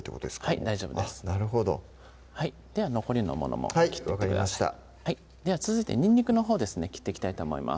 はい大丈夫ですでは残りのものも切っていってくださいでは続いてにんにくのほうですね切っていきたいと思います